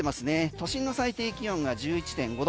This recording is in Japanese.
都心の最低気温が１１．５度。